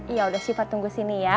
yaudah sifat tunggu sini ya